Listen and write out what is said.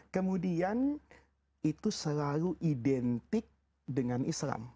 kemudian itu selalu identik dengan islam